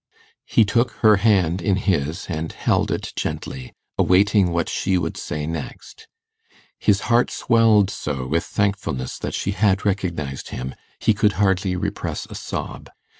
He took her hand in his and held it gently, awaiting what she would say next. His heart swelled so with thankfulness that she had recognized him, he could hardly repress a sob.